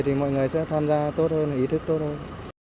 thì mọi người sẽ tham gia tốt hơn ý thức tốt hơn